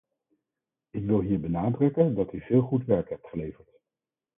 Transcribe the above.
Ik wil hier benadrukken dat u veel goed werk hebt geleverd.